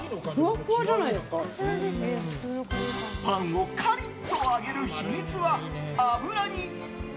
パンをカリッと揚げる秘密は油に。